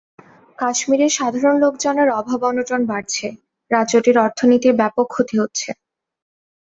কাশ্মীরের সাধারণ লোকজনের অভাব অনটন বাড়ছে, রাজ্যটির অর্থনীতির ব্যাপক ক্ষতি হচ্ছে।